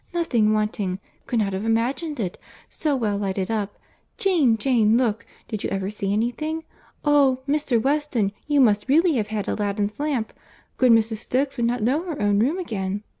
Nothing wanting. Could not have imagined it.—So well lighted up!—Jane, Jane, look!—did you ever see any thing? Oh! Mr. Weston, you must really have had Aladdin's lamp. Good Mrs. Stokes would not know her own room again.